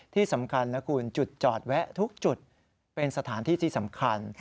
ที่สำคัญนะคุณจุดจอดแวะทุกจุดเป็นสถานที่ที่สำคัญ